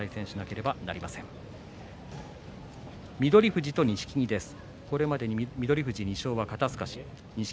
富士と錦木です。